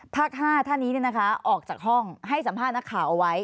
ภาค๕ท่านนี้ออกจากห้องให้สัมภาษณ์นักข่าวเอาไว้